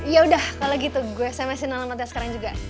ya udah kalau gitu gue smsin alamatnya sekarang juga